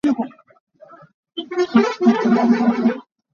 Tlang cungah khin a hung kal.